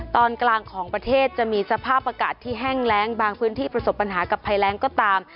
ตอนกลางของประเทศจะมีสภาพอากาศที่แห้งแรงบางพื้นที่ประสบปัญหากับภัยแรงก็ตาม